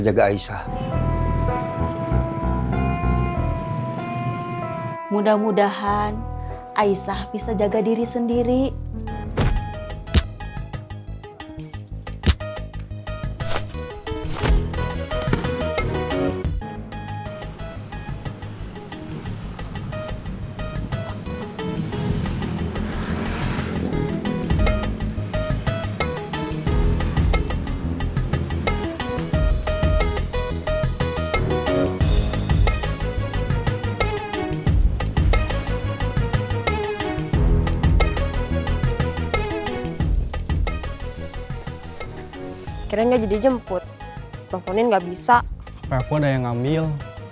tapi aku ada yang ngambil